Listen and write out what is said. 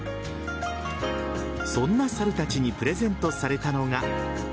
そんな猿たちにプレゼントされたのが。